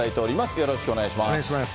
よろしくお願いします。